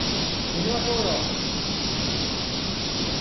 行きましょうよ。